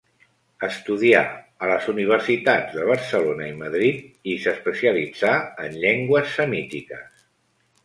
Estudià a les universitats de Barcelona i Madrid, i s'especialitzà en llengües semítiques.